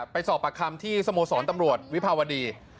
ไปสอบปากคำที่สโมสรตำรวจวิภาวดี